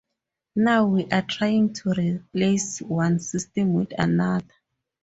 Now we are trying to replace one system with another.